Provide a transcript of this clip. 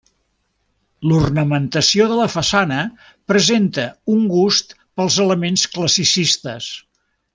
L'ornamentació de la façana presenta un gust pels elements classicistes.